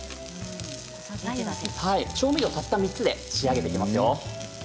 調味料たった３つで仕上げていきますよ。